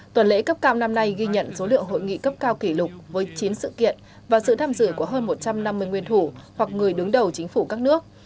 tuần lễ cấp cao năm nay ghi nhận số lượng hội nghị cấp cao kỷ lục với chín sự kiện và sự tham dự của hơn một trăm năm mươi nguyên thủ hoặc người đứng đầu chính phủ các nước